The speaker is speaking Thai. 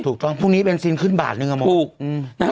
ถูกต้อนพรุ่งนี้เป็นซินขึ้นบาทนึงอ่ะถูกอืมนะฮะ